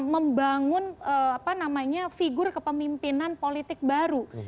membangun apa namanya figur kepemimpinan politik baru